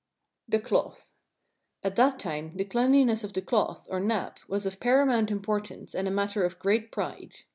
The Qloth AT THAT time the cleanliness of the cloth, or Nappe, was of paramount importance and a matter of great pride.